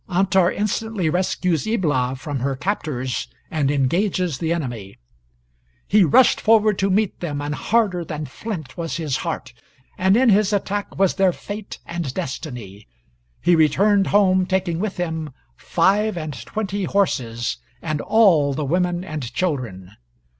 Antar instantly rescues Ibla from her captors and engages the enemy.] He rushed forward to meet them, and harder than flint was his heart, and in his attack was their fate and destiny. He returned home, taking with him five and twenty horses, and all the women and children.